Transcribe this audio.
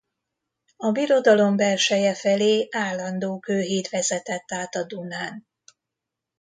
A birodalom belseje felé állandó kőhíd vezetett át a Dunán.